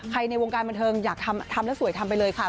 ในวงการบันเทิงอยากทำแล้วสวยทำไปเลยค่ะ